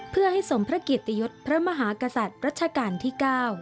เพื่อให้สมพระเกียรติยศพระมหากษัตริย์รัชกาลที่๙